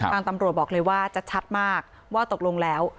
ทางตำรวจบอกเลยว่าจะชัดมากว่าตกลงแล้ว